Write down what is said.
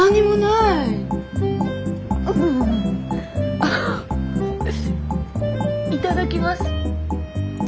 いただきます。